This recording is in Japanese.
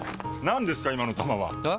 何ですか今の球は！え？